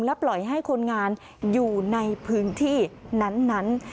ปล่อยให้คนงานอยู่ในพื้นที่นั้น